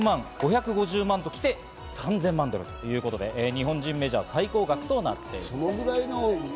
３００万、５５０万と来て３０００万ドルということで、日本人メジャー最高額となる。